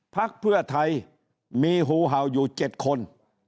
พักเพื่อไทยมีหูเห่าอยู่๗คน